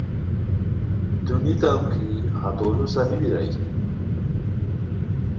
دونیتام کی ہتو لُو صحیح بیرائے